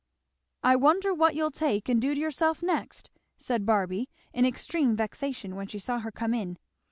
"I wonder what you'll take and do to yourself next!" said Barby in extreme vexation when she saw her come in.